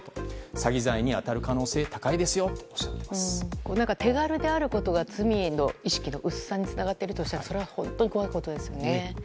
詐欺罪に当たる可能性が高いですよと手軽であることが罪の意識の薄さにつながっているとしたらそれは本当に怖いことですよね。